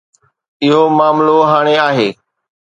اهو معاملو هاڻي آهي.